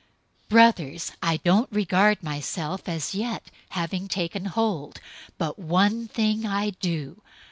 003:013 Brothers, I don't regard myself as yet having taken hold, but one thing I do.